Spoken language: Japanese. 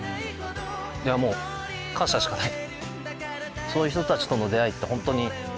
いやもう感謝しかない。